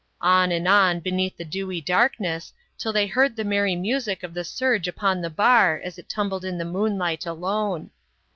" On and on beneath the dewy darkness, till they 60 RETURN OF (THE HEROES. heard the merry mus ; c of the surge upon the bar as it tumbled in the moonlight alone.